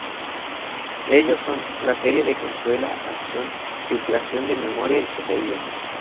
Ellos son: La Serie de consuela-ation, Filtración de Memoria, y Poseído.